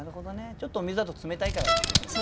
ちょっとお水だと冷たいからっていうことなんですかね。